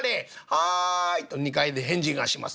「はい」と２階で返事がします。